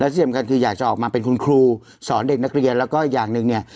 ที่สำคัญคืออยากจะออกมาเป็นคุณครูสอนเด็กนักเรียนแล้วก็อย่างหนึ่งเนี่ย